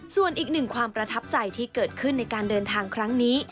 ส่วนอีกหนึ่งความประทับใจที่เกิดขึ้นในการเดินทางครั้งนี้